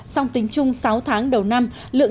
song tính chung sáu tháng đầu năm